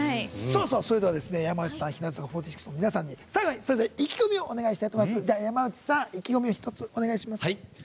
それでは山内さん日向坂４６の皆さんに最後にそれぞれ意気込みをお願いします。